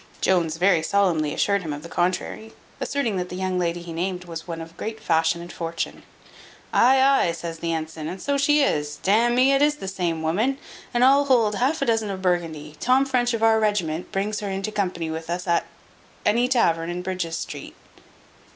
Jones very solemnly assured him of the contrary; asserting that the young lady he named was one of great fashion and fortune. "Ay, ay," says the ensign, "and so she is: d n me, it is the same woman; and I'll hold half a dozen of Burgundy, Tom French of our regiment brings her into company with us at any tavern in Bridges street."